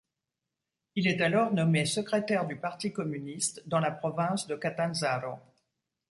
Il est alors nommé Secrétaire du Parti communiste dans la Province de Catanzaro.